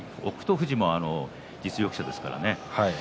富士も実力者ですからね。